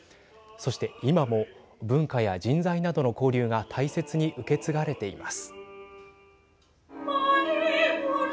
そして今も文化や人材などの交流が大切に受け継がれています。